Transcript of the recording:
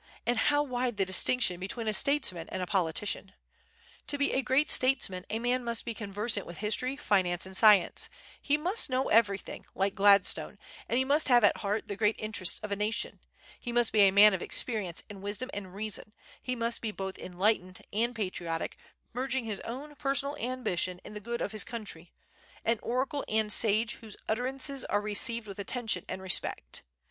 And how wide the distinction between a statesman and a politician! To be a great statesman a man must be conversant with history, finance, and science; he must know everything, like Gladstone, and he must have at heart the great interests of a nation; he must be a man of experience and wisdom and reason; he must be both enlightened and patriotic, merging his own personal ambition in the good of his country, an oracle and sage whose utterances are received with attention and respect.